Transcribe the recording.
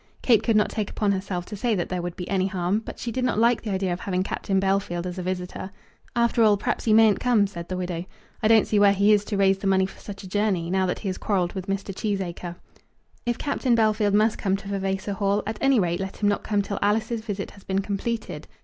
Kate could not take upon herself to say that there would be any harm, but she did not like the idea of having Captain Bellfield as a visitor. "After all, perhaps he mayn't come," said the widow. "I don't see where he is to raise the money for such a journey, now that he has quarrelled with Mr. Cheesacre." "If Captain Bellfield must come to Vavasor Hall, at any rate let him not come till Alice's visit had been completed."